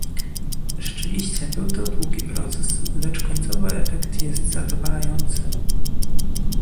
Rzeczywiście był to długi proces, lecz końcowy efekt jest zadowalający